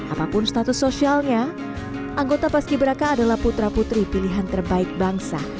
apapun status sosialnya anggota paski beraka adalah putra putri pilihan terbaik bangsa